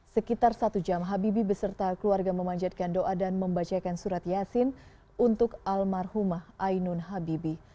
sekitar satu jam habibi beserta keluarga memanjatkan doa dan membacakan surat yasin untuk almarhumah ainun habibi